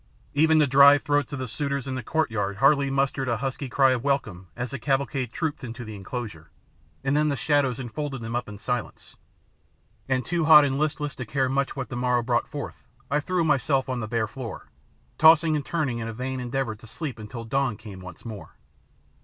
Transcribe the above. Even the dry throats of the suitors in the courtyard hardly mustered a husky cry of welcome as the cavalcade trooped into the enclosure, and then the shadows enfolded them up in silence, and, too hot and listless to care much what the morrow brought forth, I threw myself on the bare floor, tossing and turning in a vain endeavour to sleep until dawn came once more.